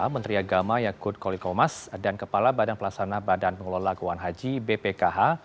menteri agama yakut kolikomas dan kepala badan pelaksana badan pengelola keuangan haji bpkh